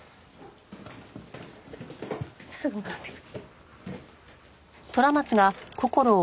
すぐ戻ってくる。